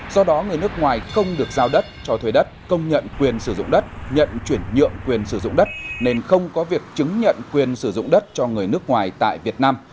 do đó người nước ngoài không được giao đất cho thuê đất công nhận quyền sử dụng đất nhận chuyển nhượng quyền sử dụng đất nên không có việc chứng nhận quyền sử dụng đất cho người nước ngoài tại việt nam